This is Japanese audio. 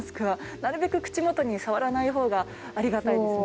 なるべく口元に触らないほうがありがたいですね。